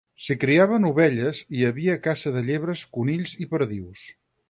S'hi criaven ovelles, i hi havia caça de llebres, conills i perdius.